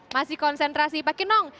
masih konsentrasi pak kinong